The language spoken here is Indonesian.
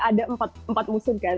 ada empat musim kan